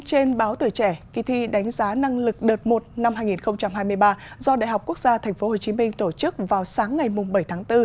trên báo tuổi trẻ kỳ thi đánh giá năng lực đợt một năm hai nghìn hai mươi ba do đại học quốc gia tp hcm tổ chức vào sáng ngày bảy tháng bốn